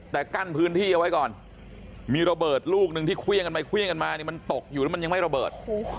แต่กั้นพื้นที่เอาไว้ก่อนมีระเบิดลูกหนึ่งที่เควียงกันมามันตกอยู่แล้วมันยังไม่ระเบิด